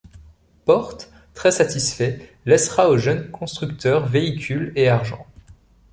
Porte, très satisfait, laissera au jeune constructeur véhicule et argent.